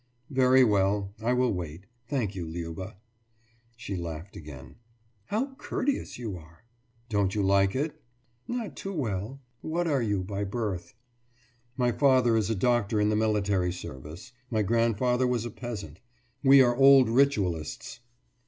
« »Very well. I will wait, thank you, Liuba.« She laughed again. »How courteous you are!« »Don't you like it?« »Not too well. What are you by birth?« »My father is a doctor in the military service. My grandfather was a peasant. We are old ritualists.